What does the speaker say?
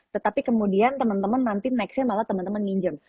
tetapi kemudian teman teman nanti nextnya malah teman teman nginjem